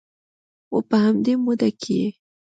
و په همدې موده کې یې